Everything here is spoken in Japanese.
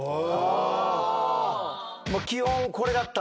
基本これだったんだ。